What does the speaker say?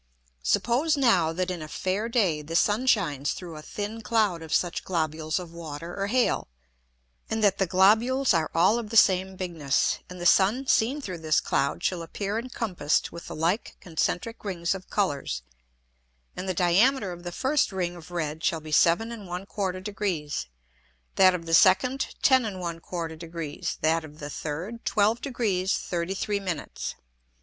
Suppose now that in a fair Day the Sun shines through a thin Cloud of such globules of Water or Hail, and that the globules are all of the same bigness; and the Sun seen through this Cloud shall appear encompassed with the like concentrick Rings of Colours, and the Diameter of the first Ring of red shall be 7 1/4 Degrees, that of the second 10 1/4 Degrees, that of the third 12 Degrees 33 Minutes.